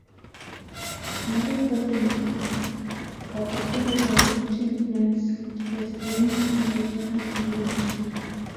Another important but often overlooked influence has been indigenous knowledge.